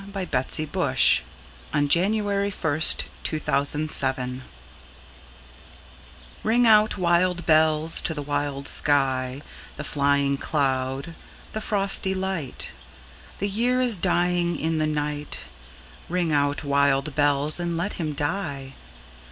Alfred, Lord Tennyson Ring Out, Wild Bells RING out, wild bells, to the wild sky, The flying cloud, the frosty light; The year is dying in the night; Ring out, wild bells, and let him die.